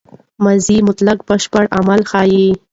ماضي مطلق بشپړ عمل ښيي.